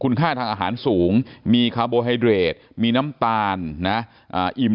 คุณค่าทางอาหารสูงมีคาร์โบไฮเดรดมีน้ำตาลนะอิ่ม